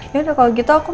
yaudah kalau gitu aku mau